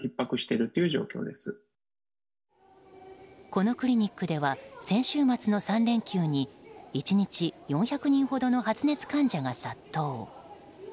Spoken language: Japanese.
このクリニックでは先週末の３連休に１日４００人ほどの発熱患者が殺到。